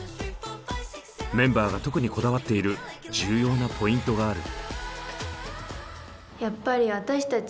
メンバーが特にこだわっている重要なポイントがある。